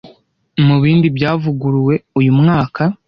Mu bindi byavuguruwe uyu mwaka